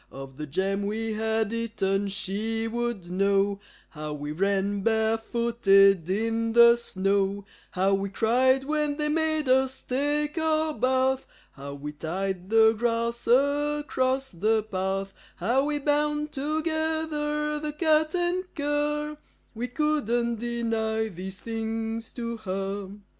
Of the jam we had eaten, she would know; How we ran barefooted in the snow; How we cried when they made us take our bath; How we tied the grass across the path; How we bound together the cat and cur We couldn't deny these things to her.